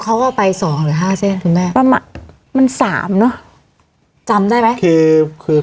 เขาเอาไป๒หรือ๕เซ่นผมอะมัน๓เนอะจำได้ไหมคือคือ